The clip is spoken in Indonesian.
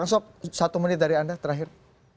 kang sob satu menit dari anda terakhir